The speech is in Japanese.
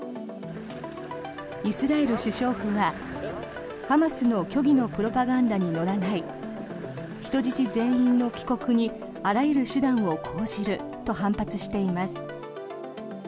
イスラエル首相府はハマスの虚偽のプロパガンダに乗らない人質全員の帰国にあらゆる手段を講じると反発しています。